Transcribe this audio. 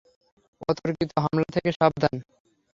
অতর্কিত হামলা থেকে সাবধান।